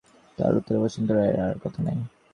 তাহার উত্তরে বসন্ত রায়ের আর কথা নাই।